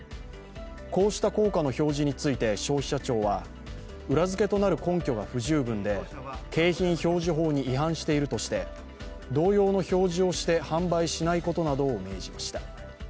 こうした効果の表示について消費者庁は裏づけとなる根拠が不十分で景品表示法に違反しているとして同様の表示をして販売しないことなどを命じました。